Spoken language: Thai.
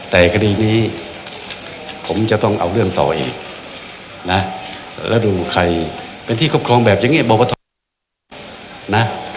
แต่คดีนี้ผมจะต้องเอาเรื่องต่ออีกนะแล้วดูใครเป็นที่ครอบครองแบบอย่างนี้บอกว่าทนะ